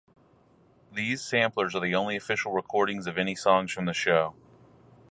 These samplers are the only official recording of any songs from the show.